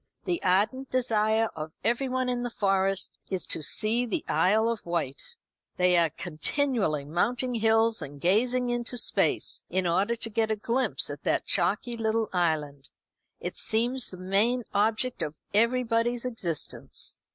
The ardent desire of everyone in the Forest is to see the Isle of Wight. They are continually mounting hills and gazing into space, in order to get a glimpse at that chalky little island. It seems the main object of everybody's existence."